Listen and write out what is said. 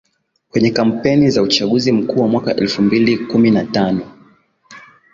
Kwenye kampeni za Uchaguzi Mkuu wa mwaka elfu mbili kumi na tano